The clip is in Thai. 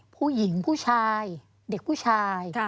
ผู้หญิงผู้ชายเด็กผู้ชาย